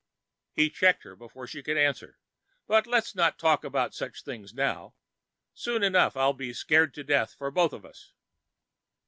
He checked her before she could answer. "But let's not be talking about such things now. Soon enough I'll be scared to death for both of us.